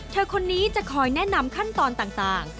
คนนี้จะคอยแนะนำขั้นตอนต่าง